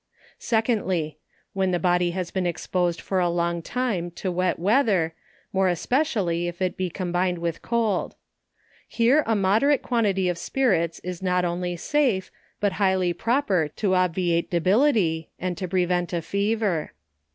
2dly. When the body has been exposed for a long time to wet weather, more especially, if it be combined with cold. Here a moderate quantity of spirits is not only safe, but highly proper to obviate debility, and to prevent a fever.